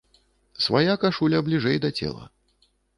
Свая кашуля бліжэй да цела.